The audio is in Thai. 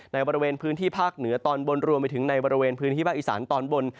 ในบริเวณพื้นที่ภาคเหนือตอนบนรวมไปถึงในบริเวณพื้นที่ภาคอีสานตอนบน